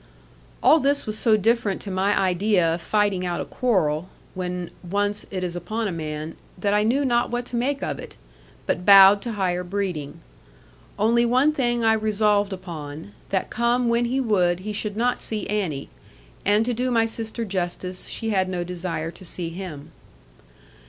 All this was so different to my idea of fighting out a quarrel, when once it is upon a man, that I knew not what to make of it, but bowed to higher breeding. Only one thing I resolved upon, that come when he would he should not see Annie. And to do my sister justice, she had no desire to see him.